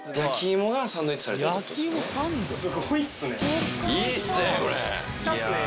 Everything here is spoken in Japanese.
⁉すごいっすね。